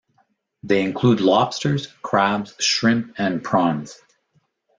They include lobsters, crabs, shrimp and prawns.